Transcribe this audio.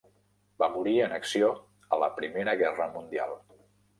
Va morir en acció a la Primera Guerra Mundial.